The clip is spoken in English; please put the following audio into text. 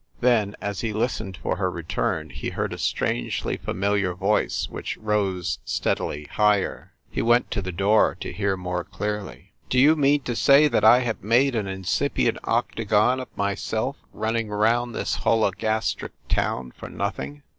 Then, as he listened for her return, he heard a strangely familiar voice, which rose steadily higher. He went to the door to hear more clearly. "Do you mean to say that I have made an incip ient octagon of myself running around this holo gastric town for nothing?"